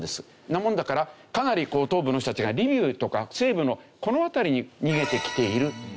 なもんだからかなり東部の人たちがリビウとか西部のこの辺りに逃げてきている。